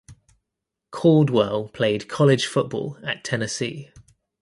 Caldwell played college football at Tennessee.